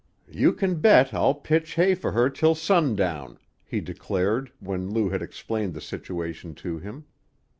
"You can bet I'll pitch hay for her till sundown," he declared, when Lou had explained the situation to him.